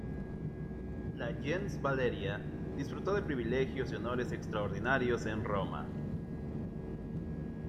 La "gens" Valeria disfrutó de privilegios y honores extraordinarios en Roma.